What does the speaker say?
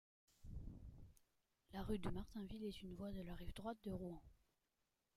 La rue de Martainville est une voie de la rive droite de Rouen.